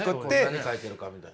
何書いてるかみたいな。